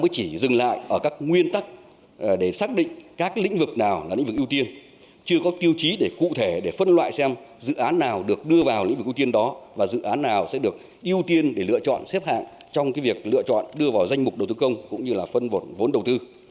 chỉ dừng lại ở các nguyên tắc để xác định các lĩnh vực nào là lĩnh vực ưu tiên chưa có tiêu chí để cụ thể để phân loại xem dự án nào được đưa vào lĩnh vực ưu tiên đó và dự án nào sẽ được ưu tiên để lựa chọn xếp hạng trong việc lựa chọn đưa vào danh mục đầu tư công cũng như là phân vốn đầu tư